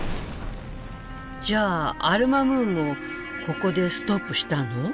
じゃあアル・マムーンもここでストップしたの？